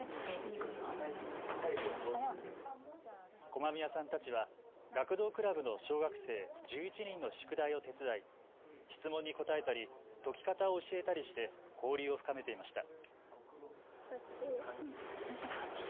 駒宮さんたちは学童クラブの小学生１１人の宿題を手伝い質問に答えたり、解き方を教えたりして交流を深めていました。